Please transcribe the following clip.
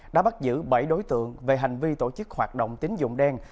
đã bắt giữ bảy đối tượng về hành vi tổ chức hoạt động tín dụng đen